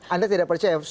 anda tidak percaya ya